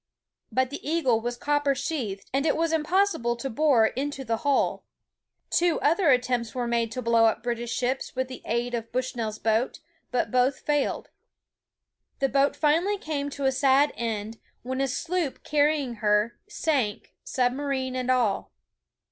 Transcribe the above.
But the Eagle was copper sheathed, and it was impossible to bore into the hull. Two other attempts were made to blow up British ships with the aid of Bush nell's boat, but both failed. The boat finally came to a sad end, when a sloop carrying her, sank, submarine and all.